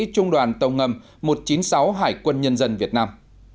trung đoàn tông ngâm một trăm chín mươi sáu hải quân nhân dân việt nam